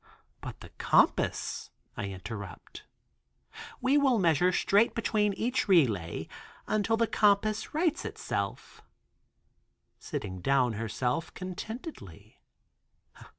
"But the compass?" I interrupt. "We will measure straight between each relay until the compass rights itself," sitting down herself contentedly.